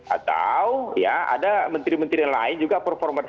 atau ya ada menteri menteri lain juga performance